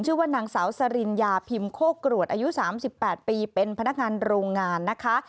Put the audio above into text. ชื่อว่านางสาวสริญญาพิมโคกรวดอายุ๓๘ปีเป็นพนักงานโรงงานนะคะ